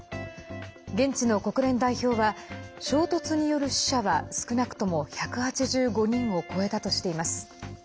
現地の国連代表は衝突による死者は少なくとも１８５人を超えたとしています。